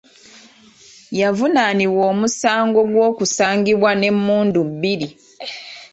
Yavunaanibwa omusango gw’okusangibwa n’emmundu bbiri.